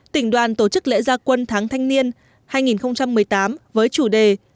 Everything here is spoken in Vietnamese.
tỉnh đoàn tổ chức lễ gia quân tháng thanh niên hai nghìn một mươi tám với chủ đề